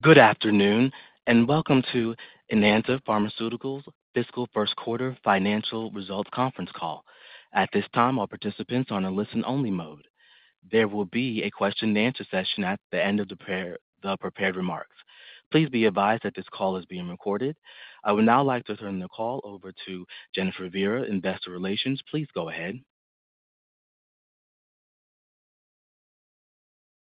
Good afternoon, and welcome to Enanta Pharmaceuticals Fiscal First Quarter Financial Results Conference Call. At this time, all participants are on a listen-only mode. There will be a question-and-answer session at the end of the prepared remarks. Please be advised that this call is being recorded. I would now like to turn the call over to Jennifer Viera, Investor Relations. Please go ahead.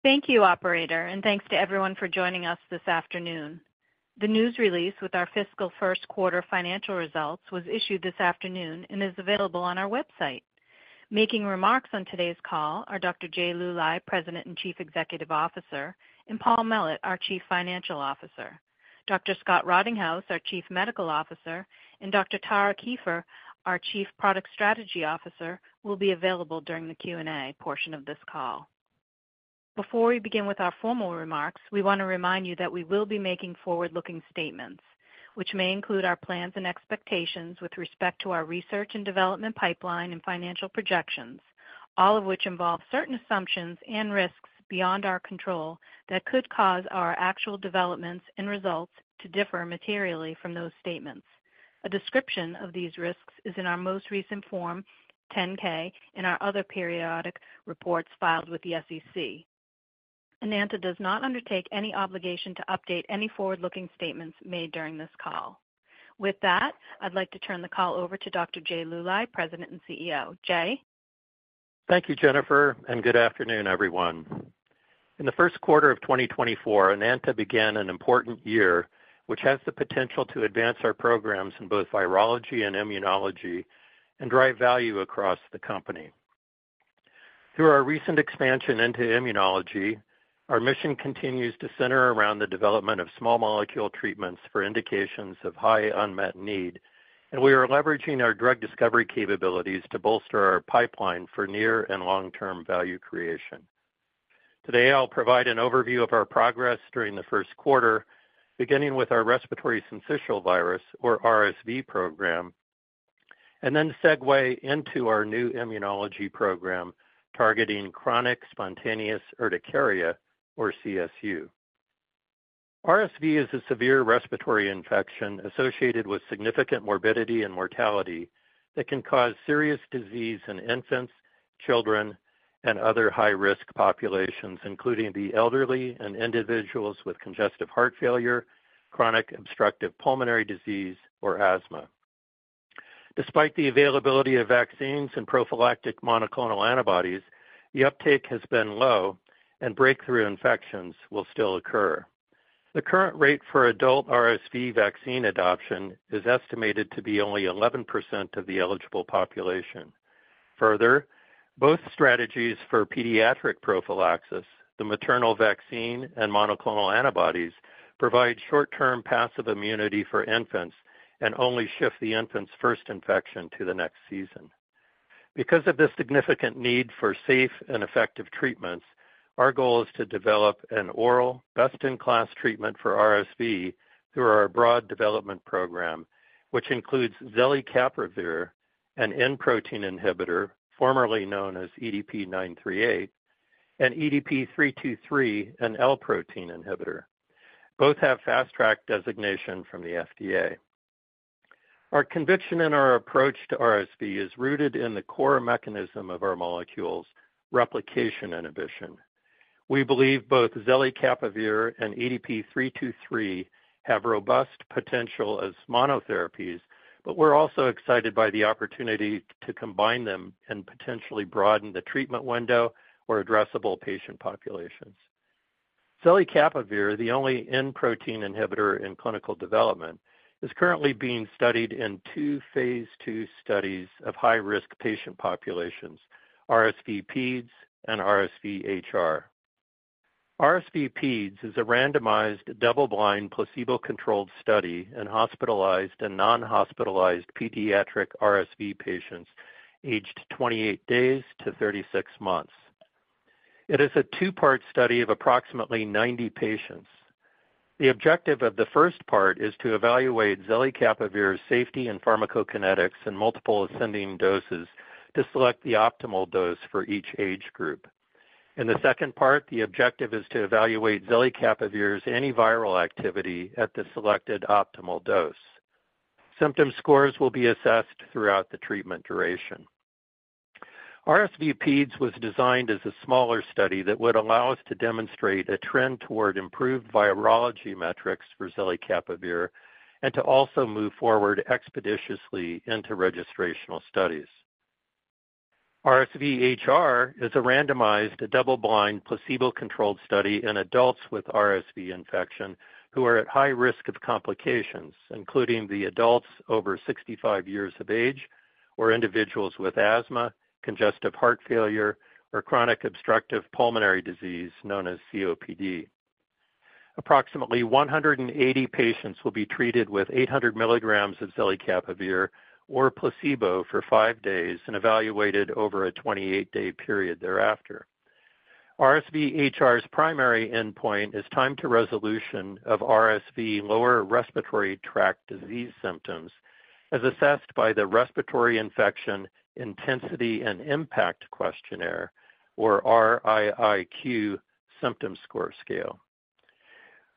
Thank you, operator, and thanks to everyone for joining us this afternoon. The news release with our fiscal first quarter financial results was issued this afternoon and is available on our website. Making remarks on today's call are Dr. Jay Luly, President and Chief Executive Officer, and Paul Mellett, our Chief Financial Officer. Dr. Scott Rottinghaus, our Chief Medical Officer, and Dr. Tara Kieffer, our Chief Product Strategy Officer, will be available during the Q&A portion of this call. Before we begin with our formal remarks, we want to remind you that we will be making forward-looking statements, which may include our plans and expectations with respect to our research and development pipeline and financial projections, all of which involve certain assumptions and risks beyond our control that could cause our actual developments and results to differ materially from those statements. A description of these risks is in our most recent Form 10-K and our other periodic reports filed with the SEC. Enanta does not undertake any obligation to update any forward-looking statements made during this call. With that, I'd like to turn the call over to Dr. Jay Luly, President and CEO. Jay? Thank you, Jennifer, and good afternoon, everyone. In the first quarter of 2024, Enanta began an important year, which has the potential to advance our programs in both virology and immunology and drive value across the company. Through our recent expansion into immunology, our mission continues to center around the development of small molecule treatments for indications of high unmet need, and we are leveraging our drug discovery capabilities to bolster our pipeline for near and long-term value creation. Today, I'll provide an overview of our progress during the first quarter, beginning with our respiratory syncytial virus, or RSV program, and then segue into our new immunology program targeting chronic spontaneous urticaria, or CSU. RSV is a severe respiratory infection associated with significant morbidity and mortality that can cause serious disease in infants, children, and other high-risk populations, including the elderly and individuals with congestive heart failure, chronic obstructive pulmonary disease, or asthma. Despite the availability of vaccines and prophylactic monoclonal antibodies, the uptake has been low and breakthrough infections will still occur. The current rate for adult RSV vaccine adoption is estimated to be only 11% of the eligible population. Further, both strategies for pediatric prophylaxis, the maternal vaccine and monoclonal antibodies, provide short-term passive immunity for infants and only shift the infant's first infection to the next season. Because of this significant need for safe and effective treatments, our goal is to develop an oral best-in-class treatment for RSV through our broad development program, which includes zelicapavir, an N-protein inhibitor, formerly known as EDP-938, and EDP-323, an L-protein inhibitor. Both have Fast Track designation from the FDA. Our conviction in our approach to RSV is rooted in the core mechanism of our molecules' replication inhibition. We believe both zelicapavir and EDP-323 have robust potential as monotherapies, but we're also excited by the opportunity to combine them and potentially broaden the treatment window or addressable patient populations. Zelicapavir, the only N-protein inhibitor in clinical development, is currently being studied in two phase II studies of high-risk patient populations, RSV-Peds and RSV-HR. RSV-Peds is a randomized, double-blind, placebo-controlled study in hospitalized and non-hospitalized pediatric RSV patients aged 28 days to 36 months. It is a two-part study of approximately 90 patients. The objective of the first part is to evaluate zelicapavir's safety and pharmacokinetics in multiple ascending doses to select the optimal dose for each age group. In the second part, the objective is to evaluate zelicapavir's antiviral activity at the selected optimal dose. Symptom scores will be assessed throughout the treatment duration. RSV-Peds was designed as a smaller study that would allow us to demonstrate a trend toward improved virology metrics for zelicapavir and to also move forward expeditiously into registrational studies. RSV-HR is a randomized, double-blind, placebo-controlled study in adults with RSV infection who are at high risk of complications, including the adults over 65 years of age or individuals with asthma, congestive heart failure, or chronic obstructive pulmonary disease, known as COPD. Approximately 180 patients will be treated with 800 mg of zelicapavir or placebo for five days and evaluated over a 28-day period thereafter. RSV-HR's primary endpoint is time to resolution of RSV lower respiratory tract disease symptoms, as assessed by the respiratory infection intensity and impact questionnaire, or RiiQ symptom score scale.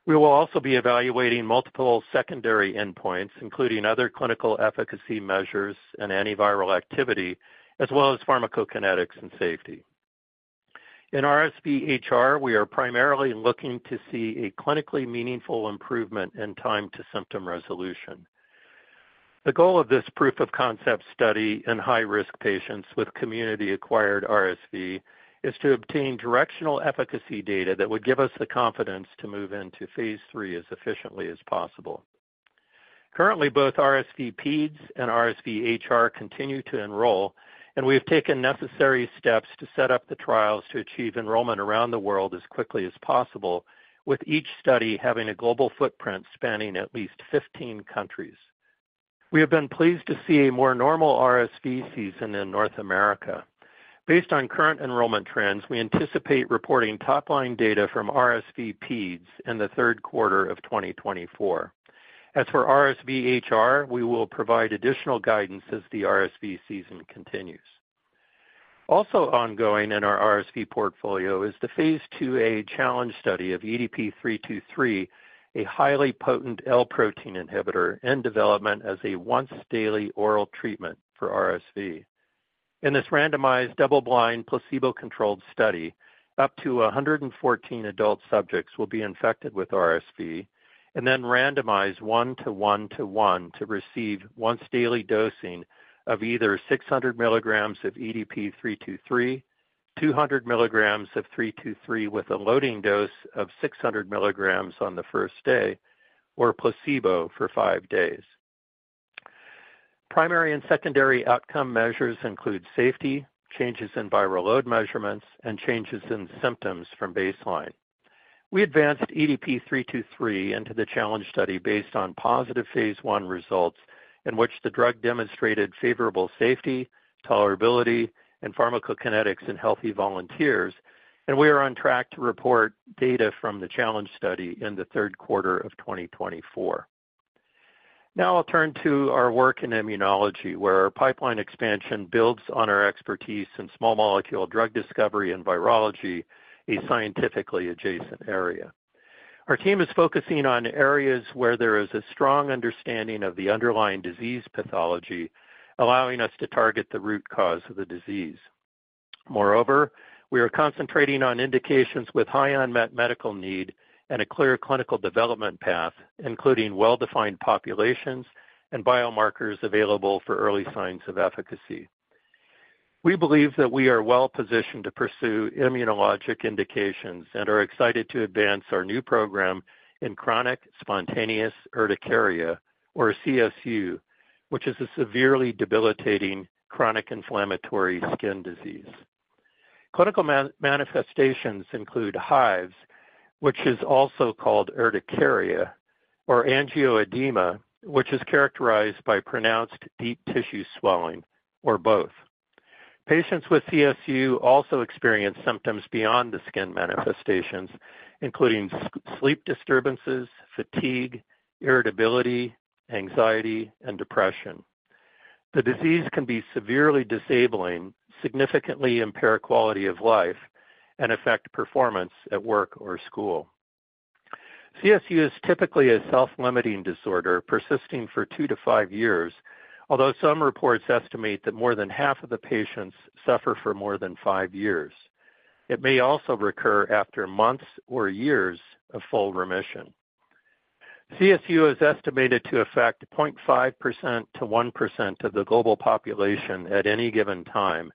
We will also be evaluating multiple secondary endpoints, including other clinical efficacy measures and antiviral activity, as well as pharmacokinetics and safety. In RSV-HR, we are primarily looking to see a clinically meaningful improvement in time to symptom resolution. The goal of this proof of concept study in high-risk patients with community-acquired RSV is to obtain directional efficacy data that would give us the confidence to move into phase III as efficiently as possible. Currently, both RSV-Peds and RSV-HR continue to enroll, and we have taken necessary steps to set up the trials to achieve enrollment around the world as quickly as possible, with each study having a global footprint spanning at least 15 countries. We have been pleased to see a more normal RSV season in North America. Based on current enrollment trends, we anticipate reporting top-line data from RSV-Peds in the third quarter of 2024. As for RSV-HR, we will provide additional guidance as the RSV season continues. Also ongoing in our RSV portfolio is the phase IIa challenge study of EDP-323, a highly potent L-protein inhibitor in development as a once-daily oral treatment for RSV. In this randomized, double-blind, placebo-controlled study, up to 114 adult subjects will be infected with RSV and then randomized 1:1:1 to receive once-daily dosing of either 600 mg of EDP-323, 200 mg of 323 with a loading dose of 600 mg on the first day, or placebo for five days. Primary and secondary outcome measures include safety, changes in viral load measurements, and changes in symptoms from baseline. We advanced EDP-323 into the challenge study based on positive phase I results, in which the drug demonstrated favorable safety, tolerability, and pharmacokinetics in healthy volunteers, and we are on track to report data from the challenge study in the third quarter of 2024. Now I'll turn to our work in immunology, where our pipeline expansion builds on our expertise in small molecule drug discovery and virology, a scientifically adjacent area. Our team is focusing on areas where there is a strong understanding of the underlying disease pathology, allowing us to target the root cause of the disease. Moreover, we are concentrating on indications with high unmet medical need and a clear clinical development path, including well-defined populations and biomarkers available for early signs of efficacy. We believe that we are well-positioned to pursue immunologic indications and are excited to advance our new program in chronic spontaneous urticaria, or CSU, which is a severely debilitating chronic inflammatory skin disease. Clinical manifestations include hives, which is also called urticaria, or angioedema, which is characterized by pronounced deep tissue swelling, or both. Patients with CSU also experience symptoms beyond the skin manifestations, including sleep disturbances, fatigue, irritability, anxiety, and depression. The disease can be severely disabling, significantly impair quality of life, and affect performance at work or school. CSU is typically a self-limiting disorder, persisting for two to five years, although some reports estimate that more than half of the patients suffer for more than five years. It may also recur after months or years of full remission. CSU is estimated to affect 0.5%-1% of the global population at any given time,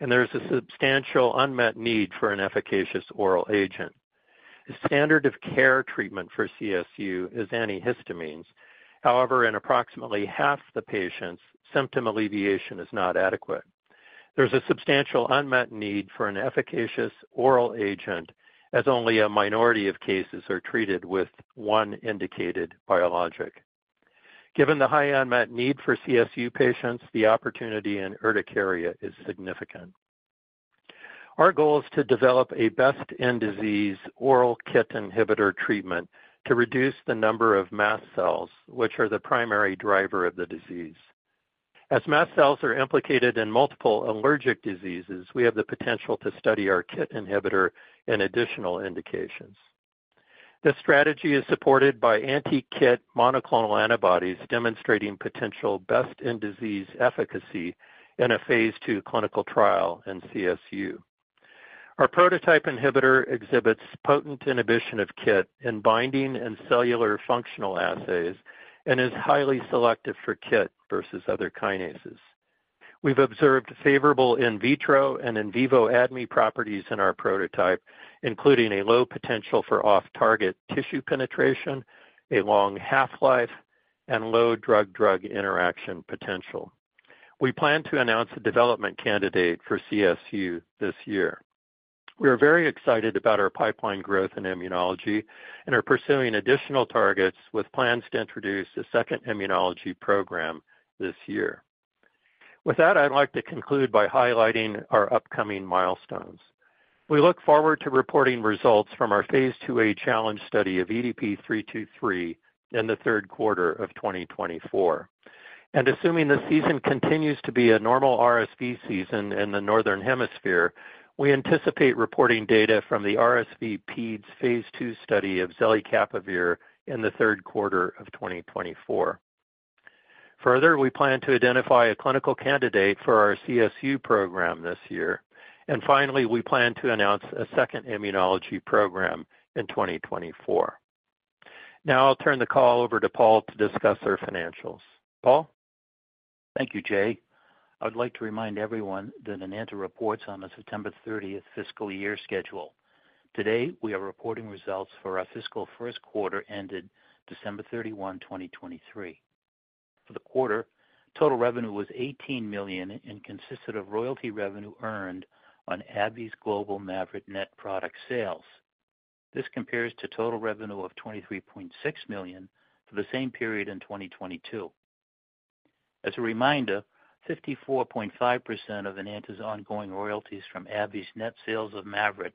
and there is a substantial unmet need for an efficacious oral agent. The standard of care treatment for CSU is antihistamines. However, in approximately half the patients, symptom alleviation is not adequate. There's a substantial unmet need for an efficacious oral agent, as only a minority of cases are treated with one indicated biologic. Given the high unmet need for CSU patients, the opportunity in urticaria is significant. Our goal is to develop a best-in-disease oral KIT inhibitor treatment to reduce the number of mast cells, which are the primary driver of the disease. As mast cells are implicated in multiple allergic diseases, we have the potential to study our KIT inhibitor in additional indications. This strategy is supported by anti-KIT monoclonal antibodies, demonstrating potential best-in-disease efficacy in a phase II clinical trial in CSU. Our prototype inhibitor exhibits potent inhibition of KIT in binding and cellular functional assays and is highly selective for KIT versus other kinases. We've observed favorable in vitro and in vivo ADME properties in our prototype, including a low potential for off-target tissue penetration, a long half-life, and low drug-drug interaction potential. We plan to announce a development candidate for CSU this year. We are very excited about our pipeline growth in immunology and are pursuing additional targets with plans to introduce a second immunology program this year. With that, I'd like to conclude by highlighting our upcoming milestones. We look forward to reporting results from our phase II-A challenge study of EDP-323 in the third quarter of 2024. Assuming the season continues to be a normal RSV season in the Northern Hemisphere, we anticipate reporting data from the RSV-Peds phase II study of zelicapavir in the third quarter of 2024. Further, we plan to identify a clinical candidate for our CSU program this year. Finally, we plan to announce a second immunology program in 2024. Now I'll turn the call over to Paul to discuss our financials. Paul? Thank you, Jay. I would like to remind everyone that Enanta reports on a September 30th fiscal year schedule. Today, we are reporting results for our fiscal first quarter ended December 31, 2023. For the quarter, total revenue was $18 million and consisted of royalty revenue earned on AbbVie's global Mavyret net product sales. This compares to total revenue of $23.6 million for the same period in 2022. As a reminder, 54.5% of Enanta's ongoing royalties from AbbVie's net sales of Mavyret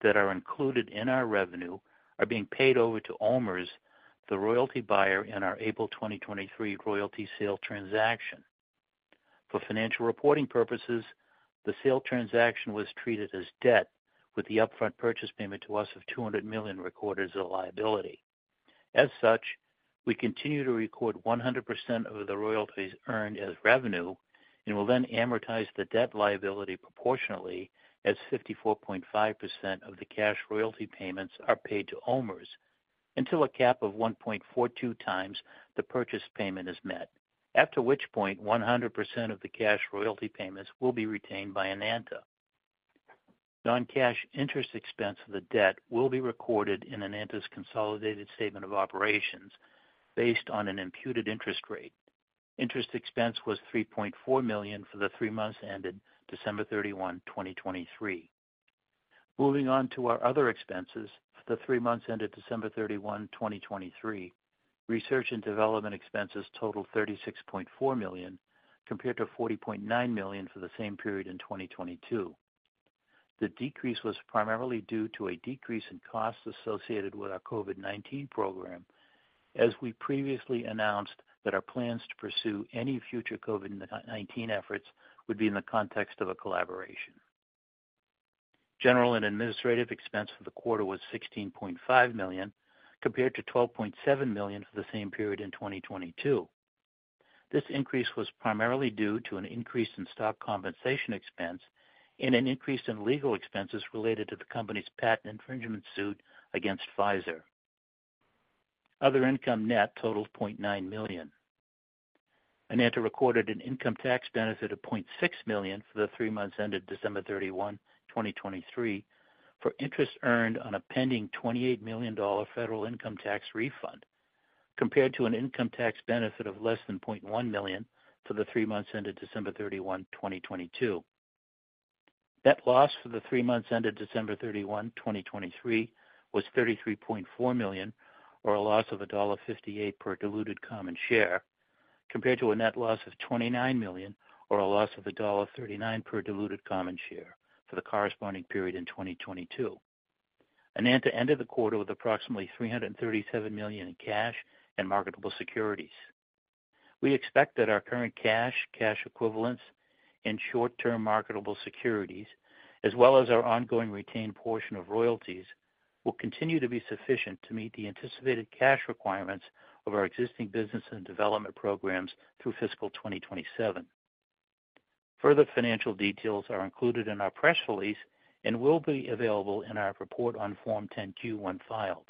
that are included in our revenue are being paid over to OMERS, the royalty buyer in our April 2023 royalty sale transaction. For financial reporting purposes, the sale transaction was treated as debt, with the upfront purchase payment to us of $200 million recorded as a liability. As such, we continue to record 100% of the royalties earned as revenue and will then amortize the debt liability proportionally as 54.5% of the cash royalty payments are paid to OMERS, until a cap of 1.42x the purchase payment is met, after which point 100% of the cash royalty payments will be retained by Enanta. Non-cash interest expense of the debt will be recorded in Enanta's consolidated statement of operations based on an imputed interest rate. Interest expense was $3.4 million for the three months ended December 31, 2023. Moving on to our other expenses, for the three months ended December 31, 2023, research and development expenses totaled $36.4 million, compared to $40.9 million for the same period in 2022. The decrease was primarily due to a decrease in costs associated with our COVID-19 program, as we previously announced that our plans to pursue any future COVID-19 efforts would be in the context of a collaboration. General and administrative expense for the quarter was $16.5 million, compared to $12.7 million for the same period in 2022. This increase was primarily due to an increase in stock compensation expense and an increase in legal expenses related to the company's patent infringement suit against Pfizer. Other income net totaled $0.9 million. Enanta recorded an income tax benefit of $0.6 million for the three months ended December 31, 2023, for interest earned on a pending $28 million federal income tax refund, compared to an income tax benefit of less than $0.1 million for the three months ended December 31, 2022. Net loss for the three months ended December 31, 2023, was $33.4 million, or a loss of $1.58 per diluted common share, compared to a net loss of $29 million, or a loss of $1.39 per diluted common share for the corresponding period in 2022. Enanta ended the quarter with approximately $337 million in cash and marketable securities. We expect that our current cash, cash equivalents, and short-term marketable securities, as well as our ongoing retained portion of royalties, will continue to be sufficient to meet the anticipated cash requirements of our existing business and development programs through fiscal 2027. Further financial details are included in our press release and will be available in our report on Form 10-Q when filed.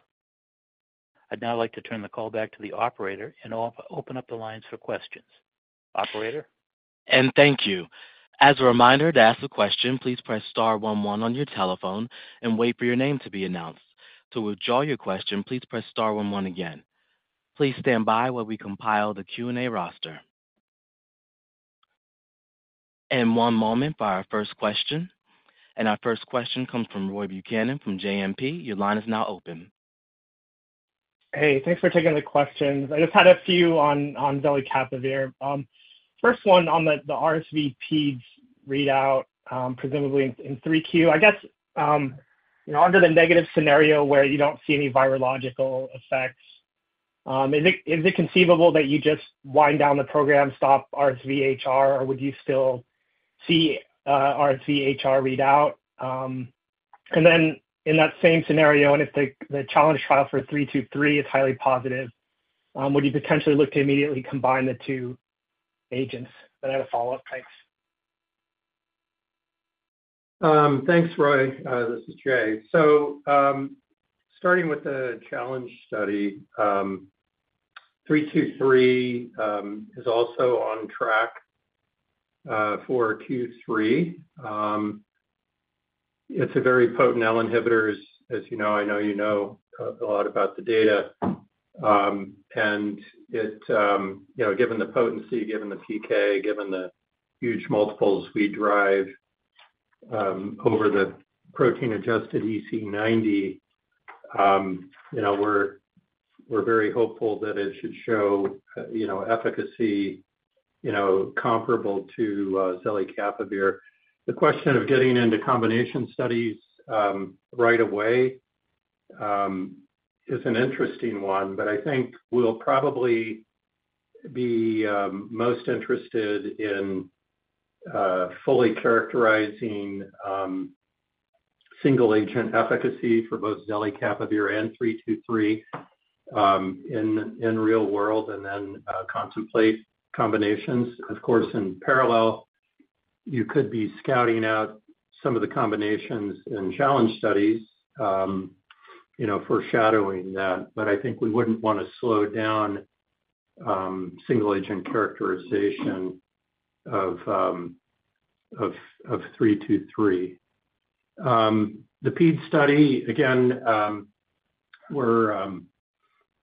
I'd now like to turn the call back to the operator and open up the lines for questions. Operator? Thank you. As a reminder, to ask a question, please press star one one on your telephone and wait for your name to be announced. To withdraw your question, please press star one one again. Please stand by while we compile the Q&A roster. One moment for our first question. Our first question comes from Roy Buchanan from JMP. Your line is now open. Hey, thanks for taking the questions. I just had a few on zelicapavir. First one on the RSV-Peds readout, presumably in 3Q. I guess you know, under the negative scenario where you don't see any virological effects, is it conceivable that you just wind down the program, stop RSV-HR, or would you still see RSV-HR readout? And then in that same scenario, and if the challenge trial for 323 is highly positive, would you potentially look to immediately combine the two agents? Then I have a follow-up, thanks. Thanks, Roy. This is Jay. So, starting with the challenge study, 323 is also on track for Q3. It's a very potent L inhibitor, as you know, I know you know a lot about the data. And it, you know, given the potency, given the PK, given the huge multiples we drive over the protein-adjusted EC90, you know, we're very hopeful that it should show, you know, efficacy, you know, comparable to zelicapavir. The question of getting into combination studies right away is an interesting one, but I think we'll probably be most interested in fully characterizing single agent efficacy for both zelicapavir and 323 in real world, and then contemplate combinations. Of course, in parallel, you could be scouting out some of the combinations in challenge studies, you know, foreshadowing that. But I think we wouldn't want to slow down single agent characterization of 323. The Ped study, again,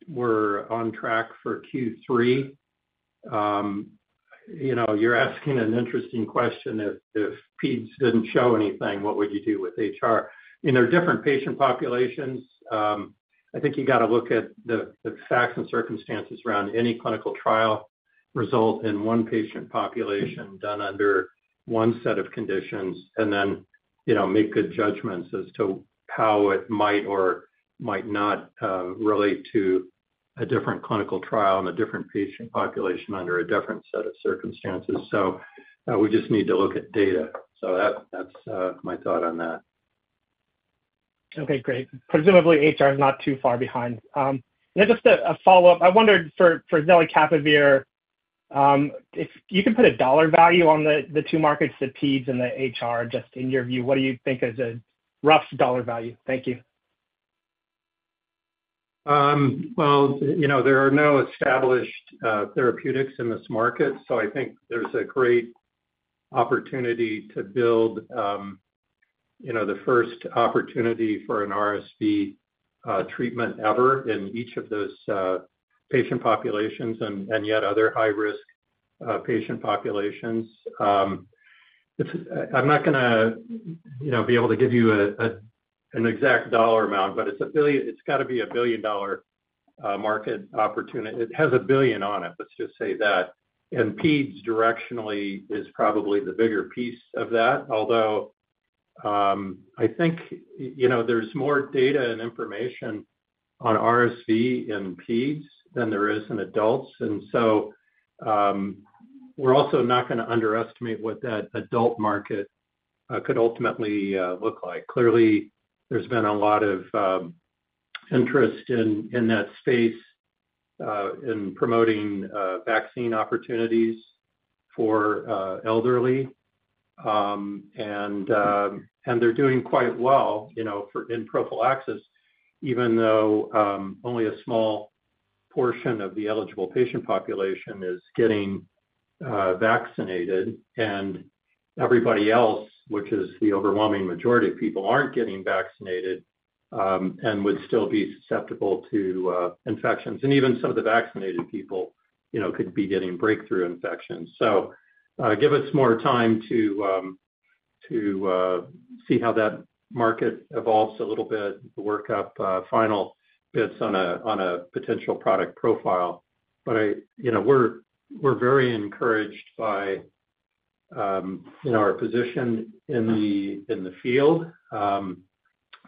we're on track for Q3. You know, you're asking an interesting question. If Peds didn't show anything, what would you do with HR? You know, different patient populations. I think you got to look at the facts and circumstances around any clinical trial result in one patient population done under one set of conditions, and then, you know, make good judgments as to how it might or might not relate to a different clinical trial and a different patient population under a different set of circumstances. So, we just need to look at data. That's my thought on that. Okay, great. Presumably, HR is not too far behind. Just a follow-up. I wondered for zelicapavir, if you can put a dollar value on the two markets, the peds and the HR, just in your view, what do you think is a rough dollar value? Thank you. Well, you know, there are no established therapeutics in this market, so I think there's a great opportunity to build, you know, the first opportunity for an RSV treatment ever in each of those patient populations and yet other high-risk patient populations. If I'm not gonna, you know, be able to give you an exact dollar amount, but it's a billion - it's got to be a billion-dollar market opportunity. It has $1 billion on it, let's just say that. And Peds directionally is probably the bigger piece of that. Although, I think, you know, there's more data and information on RSV in Peds than there is in adults. And so, we're also not gonna underestimate what that adult market could ultimately look like. Clearly, there's been a lot of interest in that space in promoting vaccine opportunities for elderly. And they're doing quite well, you know, for in prophylaxis, even though only a small portion of the eligible patient population is getting vaccinated, and everybody else, which is the overwhelming majority of people, aren't getting vaccinated and would still be susceptible to infections. And even some of the vaccinated people, you know, could be getting breakthrough infections. So, give us more time to see how that market evolves a little bit, work up final bits on a potential product profile. But I, you know, we're very encouraged by, you know, our position in the field.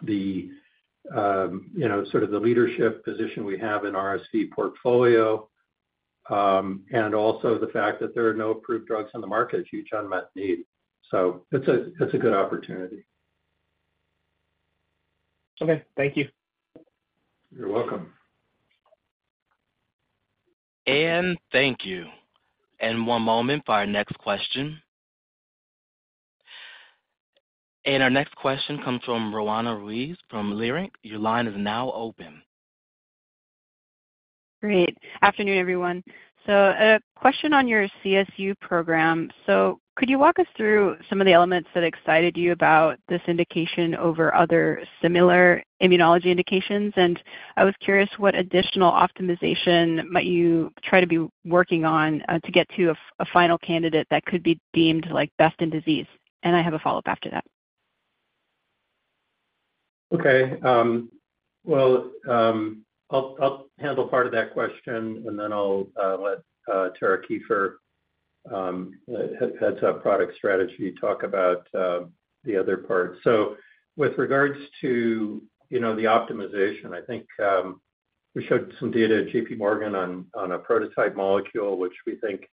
You know, sort of the leadership position we have in RSV portfolio, and also the fact that there are no approved drugs on the market, huge unmet need. So it's a good opportunity. Okay, thank you. You're welcome. Thank you. One moment for our next question. Our next question comes from Roanna Ruiz from Leerink. Your line is now open. Good afternoon, everyone. So a question on your CSU program. So could you walk us through some of the elements that excited you about this indication over other similar immunology indications? And I was curious, what additional optimization might you try to be working on, to get to a final candidate that could be deemed, like, best in disease? And I have a follow-up after that. Okay. Well, I'll handle part of that question, and then I'll let Tara Kieffer, heads up product strategy, talk about the other part. So with regards to, you know, the optimization, I think we showed some data at JPMorgan on a prototype molecule, which we think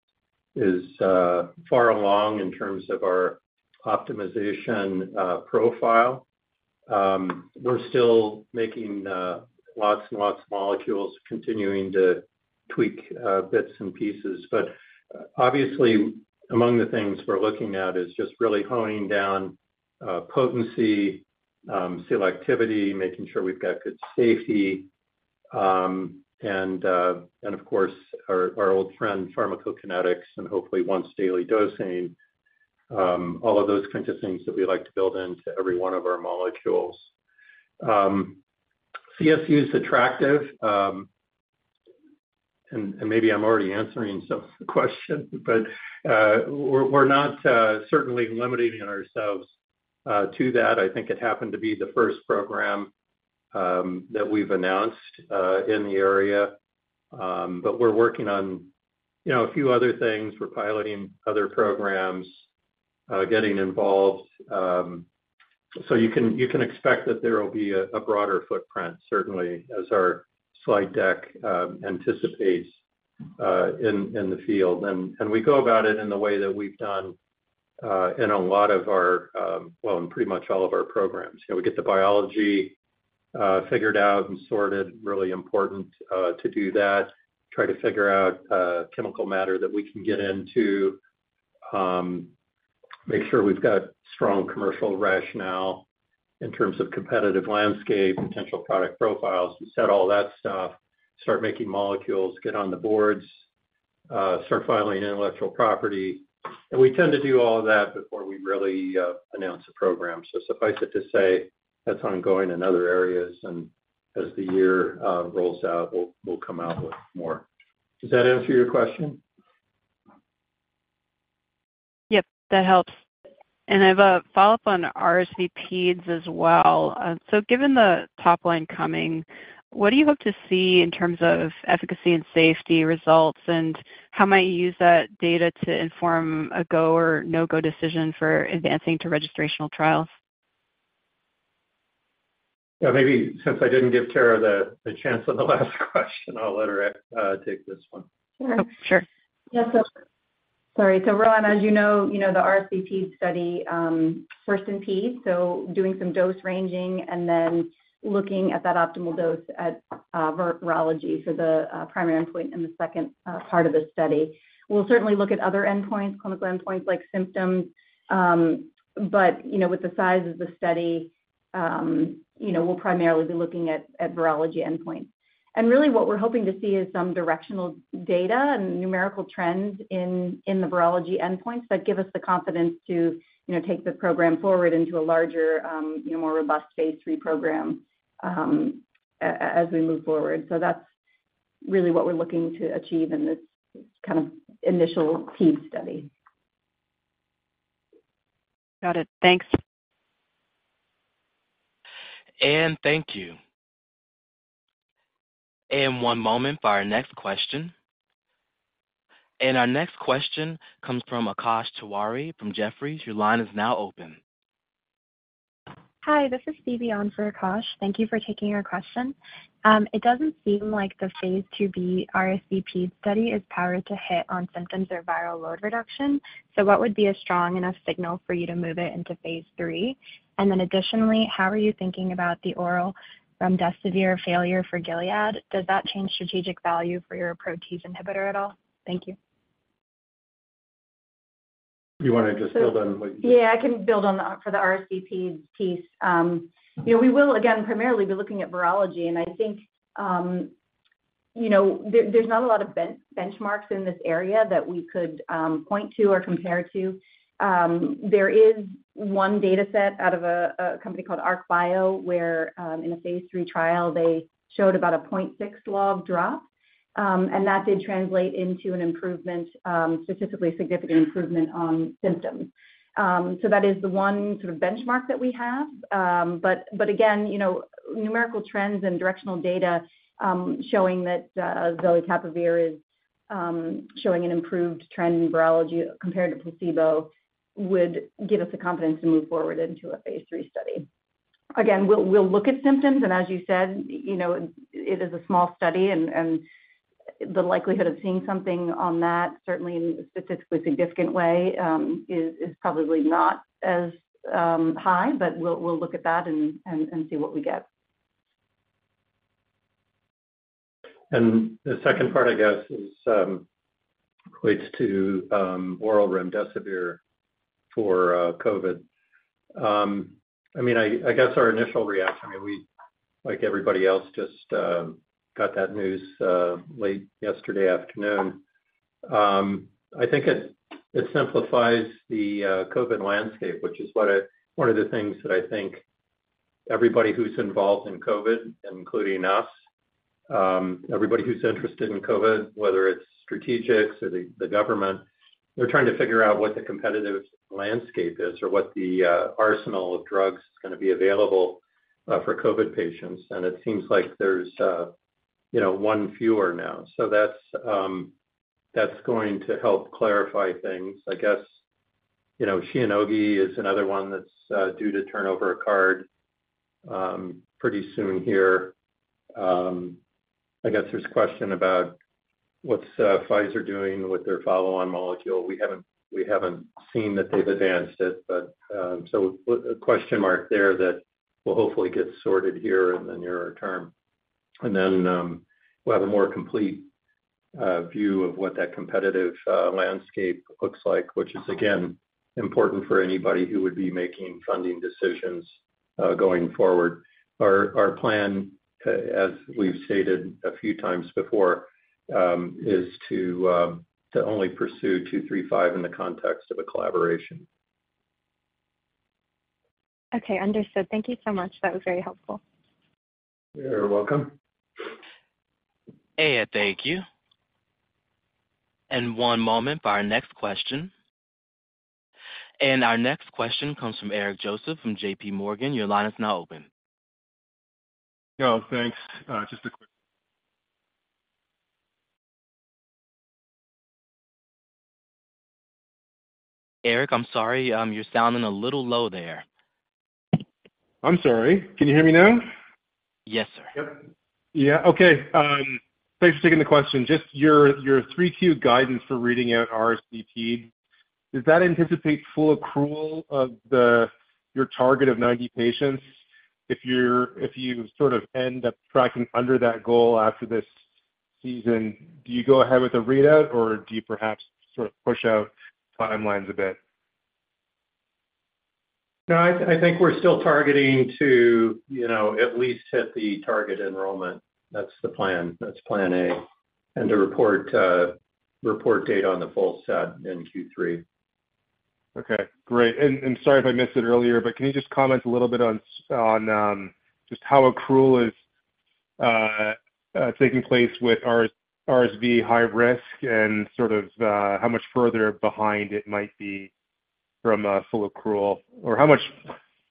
is far along in terms of our optimization profile. We're still making lots and lots of molecules, continuing to tweak bits and pieces. But obviously, among the things we're looking at is just really honing down potency, selectivity, making sure we've got good safety, and of course, our old friend pharmacokinetics and hopefully once daily dosing. All of those kinds of things that we like to build into every one of our molecules. CSU is attractive, and maybe I'm already answering some of the question, but we're not certainly limiting ourselves to that. I think it happened to be the first program that we've announced in the area. But we're working on, you know, a few other things. We're piloting other programs, getting involved, so you can expect that there will be a broader footprint, certainly as our slide deck anticipates in the field. And we go about it in the way that we've done in a lot of our, well, in pretty much all of our programs. You know, we get the biology figured out and sorted, really important to do that, try to figure out chemical matter that we can get into, make sure we've got strong commercial rationale in terms of competitive landscape, potential product profiles. We set all that stuff, start making molecules, get on the boards, start filing intellectual property. We tend to do all of that before we really announce the program. So suffice it to say, that's ongoing in other areas, and as the year rolls out, we'll come out with more. Does that answer your question? Yep, that helps. And I have a follow-up on RSV-Peds as well. So given the top line coming, what do you hope to see in terms of efficacy and safety results? And how might you use that data to inform a go or no-go decision for advancing to registrational trials? Yeah, maybe since I didn't give Tara the chance on the last question, I'll let her take this one. Sure. Sure. Sorry. So, Roanna, as you know, you know, the RSV-Peds study, first in Peds, so doing some dose ranging and then looking at that optimal dose at virology. So the primary endpoint in the second part of the study. We'll certainly look at other endpoints, clinical endpoints, like symptoms, but, you know, with the size of the study, you know, we'll primarily be looking at virology endpoint. And really, what we're hoping to see is some directional data and numerical trends in the virology endpoints that give us the confidence to, you know, take the program forward into a larger, you know, more robust phase III program, as we move forward. So that's really what we're looking to achieve in this kind of initial Peds study. Got it. Thanks. Thank you. One moment for our next question. Our next question comes from Akash Tewari from Jefferies. Your line is now open. Hi, this is Phoebe on for Akash. Thank you for taking our question. It doesn't seem like the phase II-B RSV-Ped study is powered to hit on symptoms or viral load reduction. So what would be a strong enough signal for you to move it into phase III? And then additionally, how are you thinking about the oral remdesivir failure for Gilead? Does that change strategic value for your protease inhibitor at all? Thank you. You wanna just build on what you- Yeah, I can build on the for the RSV-Peds piece. You know, we will, again, primarily be looking at virology, and I think, you know, there, there's not a lot of benchmarks in this area that we could point to or compare to. There is one data set out of a company called ArkBio, where in a phase III trial, they showed about a 0.6 log drop. And that did translate into an improvement, statistically significant improvement on symptoms. So that is the one sort of benchmark that we have. But again, you know, numerical trends and directional data showing that zelicapavir is showing an improved trend in virology compared to placebo would give us the confidence to move forward into a phase III study. Again, we'll look at symptoms, and as you said, you know, it is a small study and the likelihood of seeing something on that, certainly in a statistically significant way, is probably not as high, but we'll look at that and see what we get. The second part, I guess, relates to oral remdesivir for COVID. I mean, I guess our initial reaction, I mean, we, like everybody else, just got that news late yesterday afternoon. I think it simplifies the COVID landscape, which is what I one of the things that I think everybody who's involved in COVID, including us, everybody who's interested in COVID, whether it's strategics or the government, they're trying to figure out what the competitive landscape is or what the arsenal of drugs is gonna be available for COVID patients. And it seems like there's, you know, one fewer now. So that's going to help clarify things. I guess, you know, Shionogi is another one that's due to turn over a card pretty soon here. I guess there's a question about what's Pfizer doing with their follow-on molecule. We haven't, we haven't seen that they've advanced it, but so a question mark there that will hopefully get sorted here in the nearer term. And then we'll have a more complete view of what that competitive landscape looks like, which is, again, important for anybody who would be making funding decisions going forward. Our, our plan as we've stated a few times before is to to only pursue 235 in the context of a collaboration. Okay, understood. Thank you so much. That was very helpful. You're welcome. Thank you. One moment for our next question. Our next question comes from Eric Joseph, from JPMorgan. Your line is now open. Oh, thanks. Just a quick- ... Eric, I'm sorry, you're sounding a little low there. I'm sorry. Can you hear me now? Yes, sir. Yep. Yeah, okay, thanks for taking the question. Just your, your 3Q guidance for reading out RSV-Peds, does that anticipate full accrual of the, your target of 90 patients? If you're, if you sort of end up tracking under that goal after this season, do you go ahead with the readout, or do you perhaps sort of push out timelines a bit? No, I think we're still targeting to, you know, at least hit the target enrollment. That's the plan. That's plan A. And to report date on the full set in Q3. Okay, great. And sorry if I missed it earlier, but can you just comment a little bit on how accrual is taking place with RSV high risk and sort of how much further behind it might be from full accrual? Or how much,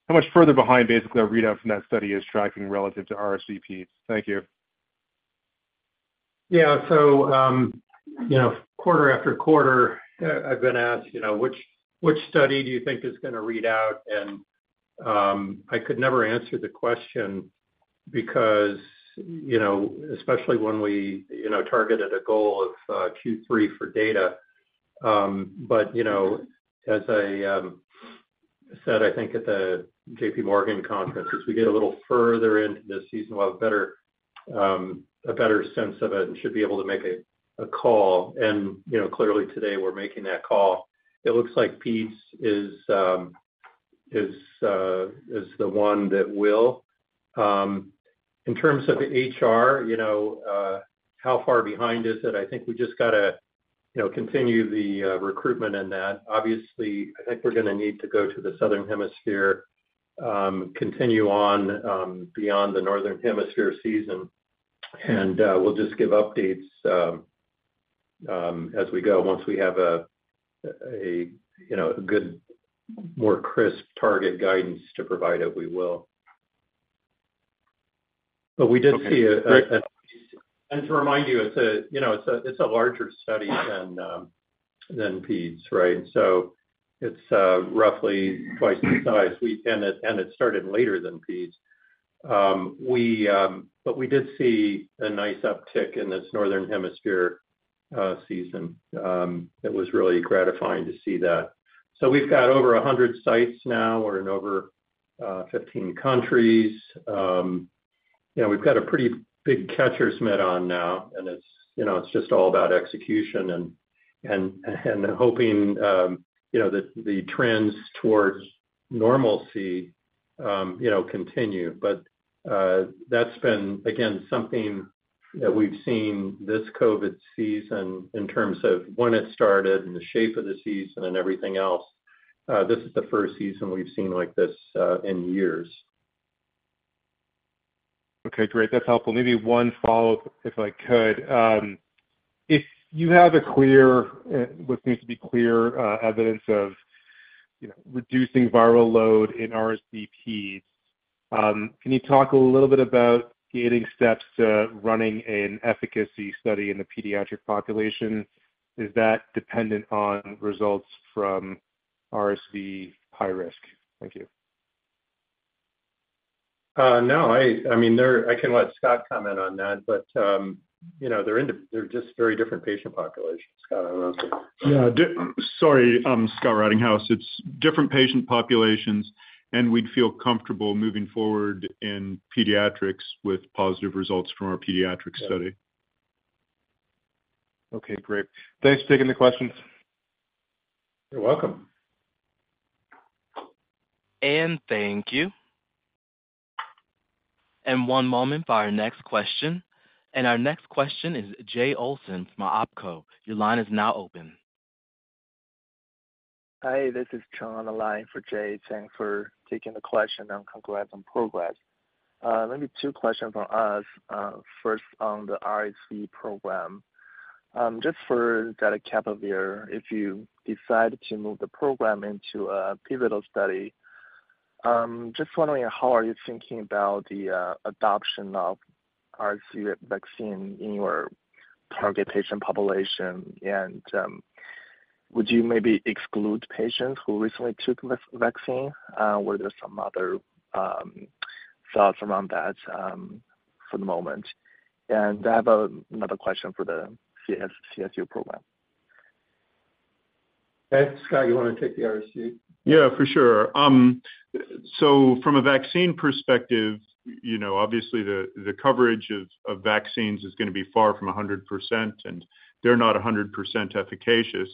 how much further behind, basically, our readout from that study is tracking relative to RSV-PEDs? Thank you. Yeah. So, you know, quarter after quarter, I've been asked, you know, which study do you think is gonna read out? And, I could never answer the question because, you know, especially when we, you know, targeted a goal of Q3 for data. But, you know, as I said, I think at the JPMorgan conference, as we get a little further into the season, we'll have a better sense of it and should be able to make a call, and, you know, clearly today we're making that call. It looks like Peds is the one that will. In terms of the HR, you know, how far behind is it? I think we just got to, you know, continue the recruitment in that, Obviously, I think we're gonna need to go to the Southern Hemisphere, continue on beyond the Northern Hemisphere season, and we'll just give updates as we go. Once we have a, you know, a good, more crisp target guidance to provide it, we will. But we did see a- Okay, great. And to remind you, you know, it's a larger study than Peds, right? So it's roughly twice the size, and it started later than Peds. But we did see a nice uptick in this Northern Hemisphere season. It was really gratifying to see that. So we've got over 100 sites now. We're in over 15 countries. You know, we've got a pretty big catcher's mitt on now, and it's, you know, it's just all about execution and hoping, you know, that the trends towards normalcy continue. But that's been, again, something that we've seen this COVID season in terms of when it started and the shape of the season and everything else. This is the first season we've seen like this in years. Okay, great. That's helpful. Maybe one follow-up, if I could. If you have a clear what seems to be clear evidence of, you know, reducing viral load in RSV, can you talk a little bit about gating steps to running an efficacy study in the pediatric population? Is that dependent on results from RSV high risk? Thank you. No, I mean, there—I can let Scott comment on that, but, you know, they're just very different patient populations. Scott, I don't know. Yeah, sorry, Scott Rottinghaus. It's different patient populations, and we'd feel comfortable moving forward in pediatrics with positive results from our pediatric study. Okay, great. Thanks for taking the questions. You're welcome. Thank you. One moment for our next question. Our next question is Jay Olson from Oppenheimer. Your line is now open. Hi, this is Cheng on the line for Jay. Thanks for taking the question, and congrats on progress. Maybe two questions from us. First, on the RSV program. Just for data readout of the year, if you decide to move the program into a pivotal study, just wondering, how are you thinking about the adoption of RSV vaccine in your target patient population? And, would you maybe exclude patients who recently took the RSV vaccine, or are there some other thoughts around that, for the moment? And I have another question for the CSU program. Thanks. Scott, you want to take the RSV? Yeah, for sure. So from a vaccine perspective, you know, obviously, the coverage of vaccines is gonna be far from 100%, and they're not 100% efficacious.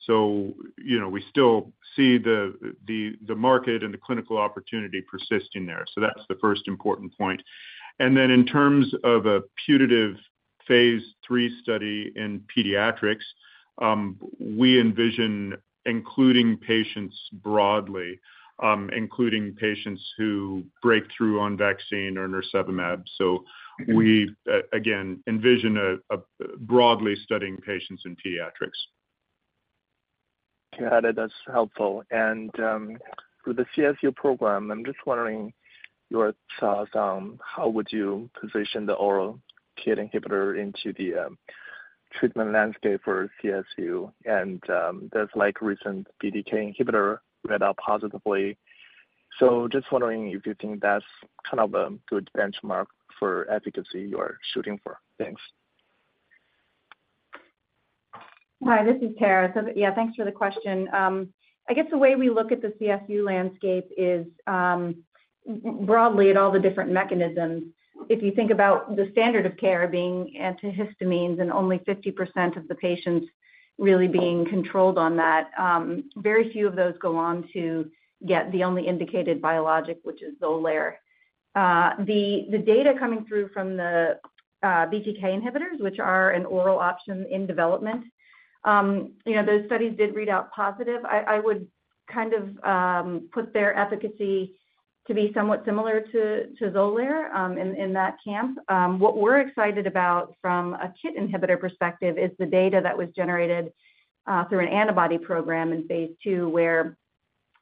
So, you know, we still see the market and the clinical opportunity persisting there. So that's the first important point. And then in terms of a putative phase III study in pediatrics, we envision including patients broadly, including patients who break through on vaccine or nirsevimab. So we again envision a broadly studying patients in pediatrics. Got it. That's helpful. For the CSU program, I'm just wondering your thoughts on how would you position the oral KIT inhibitor into the treatment landscape for CSU, and there's like recent BTK inhibitor read out positively. So just wondering if you think that's kind of a good benchmark for efficacy you are shooting for? Thanks. Hi, this is Tara. So, yeah, thanks for the question. I guess the way we look at the CSU landscape is, broadly at all the different mechanisms. If you think about the standard of care being antihistamines and only 50% of the patients really being controlled on that, very few of those go on to get the only indicated biologic, which is Xolair. The data coming through from the BTK inhibitors, which are an oral option in development, you know, those studies did read out positive. I would kind of put their efficacy to be somewhat similar to Xolair, in that camp. What we're excited about from a KIT inhibitor perspective is the data that was generated through an antibody program in phase II, where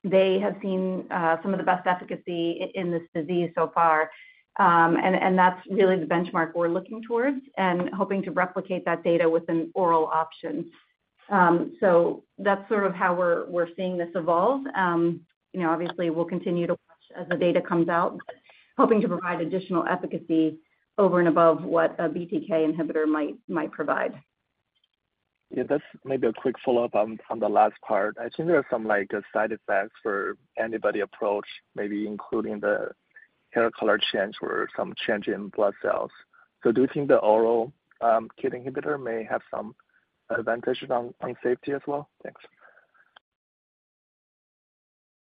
they have seen some of the best efficacy in this disease so far. And that's really the benchmark we're looking towards and hoping to replicate that data with an oral option. So that's sort of how we're seeing this evolve. You know, obviously, we'll continue to watch as the data comes out, but hoping to provide additional efficacy over and above what a BTK inhibitor might provide. Yeah, that's maybe a quick follow-up on, on the last part. I think there are some, like, side effects for antibody approach, maybe including the hair color change or some change in blood cells. So do you think the oral KIT inhibitor may have some advantages on, on safety as well?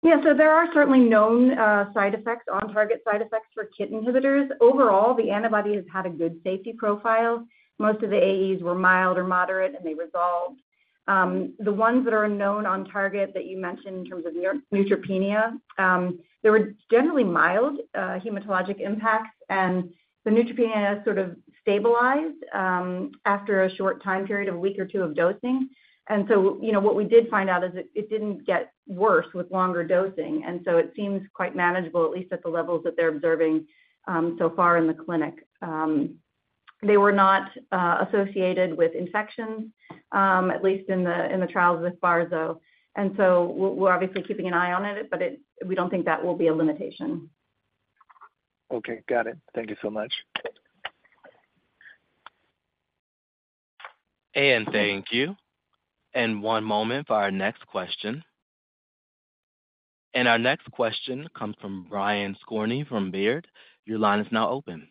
Thanks. Yeah, so there are certainly known, side effects, on-target side effects for KIT inhibitors. Overall, the antibody has had a good safety profile. Most of the AEs were mild or moderate, and they resolved. The ones that are known on target that you mentioned in terms of neutropenia, they were generally mild, hematologic impacts, and the neutropenia has sort of stabilized, after a short time period of a week or two of dosing. And so, you know, what we did find out is it, it didn't get worse with longer dosing, and so it seems quite manageable, at least at the levels that they're observing, so far in the clinic. They were not associated with infections, at least in the trials thus far, though. And so we're obviously keeping an eye on it, but it... We don't think that will be a limitation. Okay, got it. Thank you so much. Thank you. One moment for our next question. Our next question comes from Brian Skorney from Baird. Your line is now open.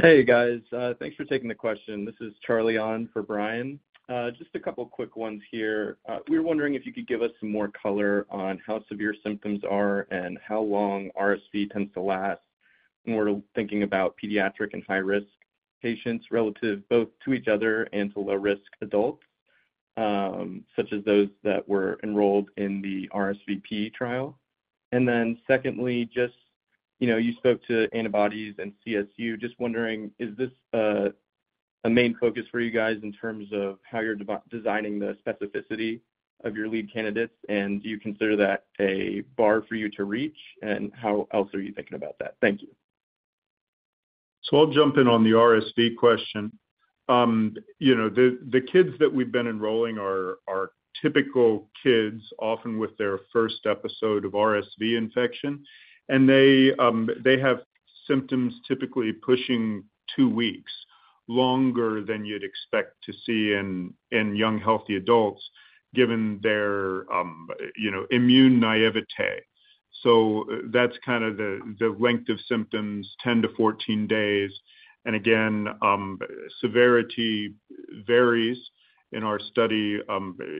Hey, guys, thanks for taking the question. This is Charlie on for Brian. Just a couple quick ones here. We were wondering if you could give us some more color on how severe symptoms are and how long RSV tends to last, more thinking about pediatric and high-risk patients relative both to each other and to low-risk adults, such as those that were enrolled in the RSV-Ped trial. And then secondly, just, you know, you spoke to antibodies and CSU, just wondering, is this a main focus for you guys in terms of how you're designing the specificity of your lead candidates, and do you consider that a bar for you to reach, and how else are you thinking about that? Thank you. I'll jump in on the RSV question. You know, the kids that we've been enrolling are typical kids, often with their first episode of RSV infection, and they have symptoms typically pushing two weeks, longer than you'd expect to see in young, healthy adults, given their, you know, immune naïveté. So that's kind of the length of symptoms, 10 to 14 days. And again, severity varies in our study,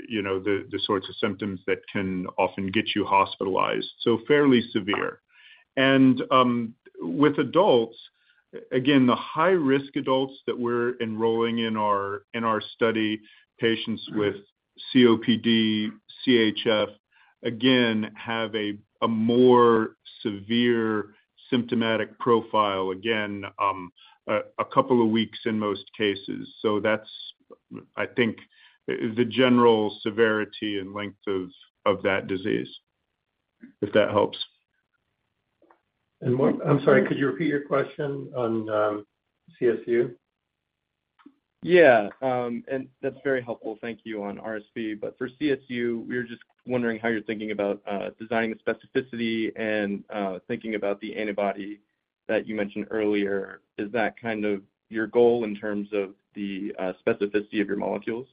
you know, the sorts of symptoms that can often get you hospitalized, so fairly severe. And with adults, again, the high-risk adults that we're enrolling in our study, patients with COPD, CHF, again, have a more severe symptomatic profile. Again, a couple of weeks in most cases. So that's, I think, the general severity and length of that disease, if that helps. I'm sorry, could you repeat your question on CSU? Yeah, and that's very helpful, thank you, on RSV. But for CSU, we were just wondering how you're thinking about designing the specificity and thinking about the antibody that you mentioned earlier. Is that kind of your goal in terms of the specificity of your molecules?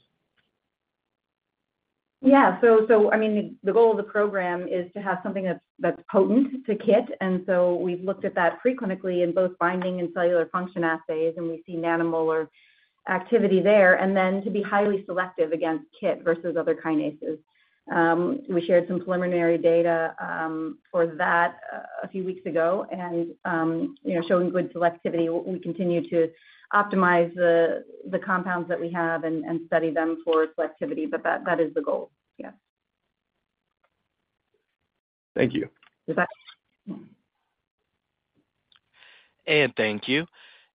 Yeah. So, I mean, the goal of the program is to have something that's potent to KIT, and so we've looked at that preclinically in both binding and cellular function assays, and we've seen nanomolar activity there, and then to be highly selective against KIT versus other kinases. We shared some preliminary data for that a few weeks ago, and you know, showing good selectivity. We continue to optimize the compounds that we have and study them for selectivity, but that is the goal. Yeah. Thank you. You bet. And thank you.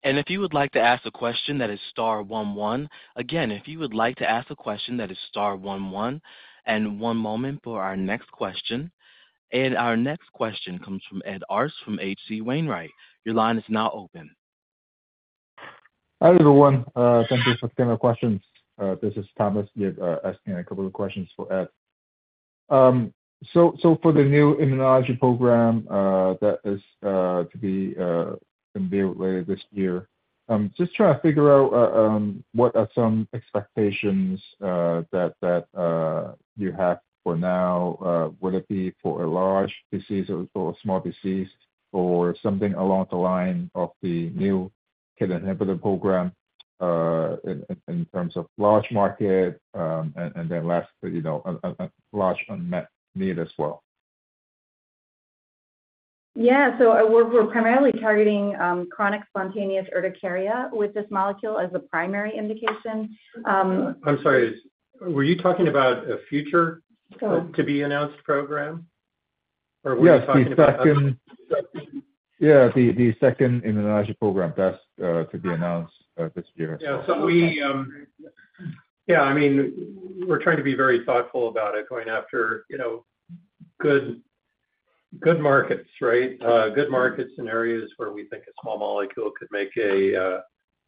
And if you would like to ask a question, that is star one one. Again, if you would like to ask a question, that is star one one, and one moment for our next question. And our next question comes from Ed Arce from H.C. Wainwright. Your line is now open.... Hi, everyone. Thank you for taking our questions. This is Thomas Yip, asking a couple of questions for Ed. So, for the new immunology program that is to be unveiled later this year, just trying to figure out what are some expectations that you have for now. Would it be for a large disease or for a small disease or something along the line of the new KIT inhibitor program, in terms of large market, and then last, you know, a large unmet need as well? Yeah. So we're primarily targeting chronic spontaneous urticaria with this molecule as a primary indication. I'm sorry, were you talking about a future to-be-announced program, or were you talking about- Yeah, the second immunology program that's to be announced this year. Yeah. So we, yeah, I mean, we're trying to be very thoughtful about it, going after, you know, good, good markets, right? Good market scenarios where we think a small molecule could make a,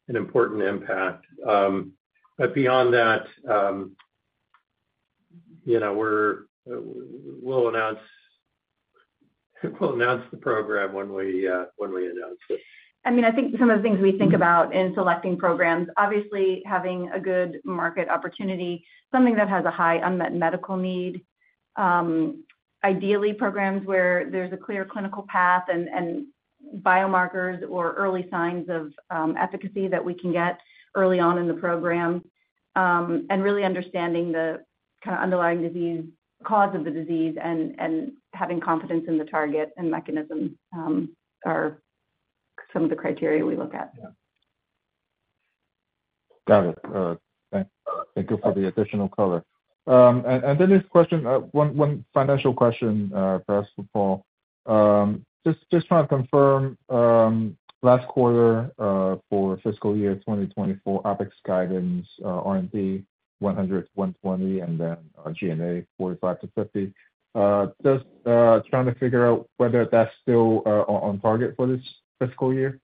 an important impact. But beyond that, you know, we'll announce, we'll announce the program when we, when we announce it. I mean, I think some of the things we think about in selecting programs, obviously having a good market opportunity, something that has a high unmet medical need. Ideally, programs where there's a clear clinical path and, and biomarkers or early signs of, efficacy that we can get early on in the program. And really understanding the kind of underlying disease, cause of the disease, and, and having confidence in the target and mechanism, are some of the criteria we look at. Got it. Thank you for the additional color. And then this question, one financial question, first for Paul. Just trying to confirm, last quarter, for fiscal year 2024, OpEx guidance, R&D $100-$120, and then, G&A $45-$50. Just trying to figure out whether that's still on target for this fiscal year.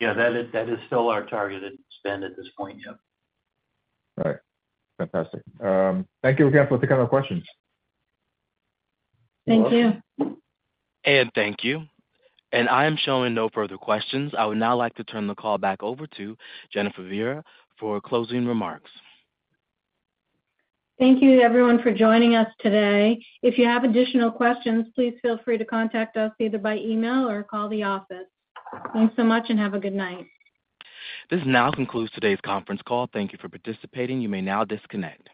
Yeah, that is, that is still our targeted spend at this point, yeah. All right. Fantastic. Thank you again for taking the questions. Thank you. Thank you. I am showing no further questions. I would now like to turn the call back over to Jennifer Viera for closing remarks. Thank you everyone for joining us today. If you have additional questions, please feel free to contact us either by email or call the office. Thanks so much and have a good night. This now concludes today's conference call. Thank you for participating. You may now disconnect.